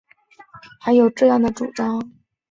今天匈牙利境内只有少数人还有这样的主张。